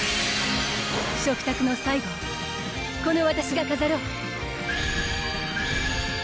食卓の最後をこのわたしが飾ろう！